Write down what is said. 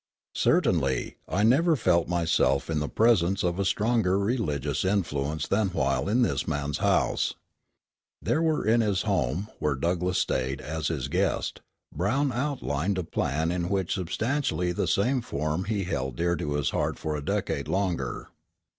Certainly, I never felt myself in the presence of stronger religious influence than while in this man's house." There in his own home, where Douglass stayed as his guest, Brown outlined a plan which in substantially the same form he held dear to his heart for a decade longer.